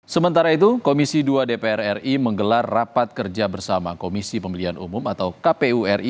sementara itu komisi dua dpr ri menggelar rapat kerja bersama komisi pemilihan umum atau kpu ri